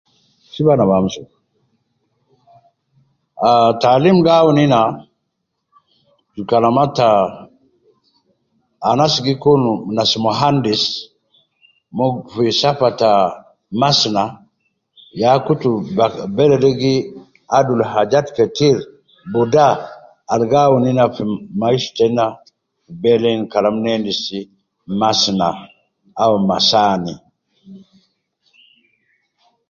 Ah taalim gi awun ina fi kalama ta, anas gi kun nas muhandis, mon fi safa ta masna, ya kutu ba bele de adul hajat ketir budar al gi awun ina fi maisha tena fi bele in kalam ina endis masna au masani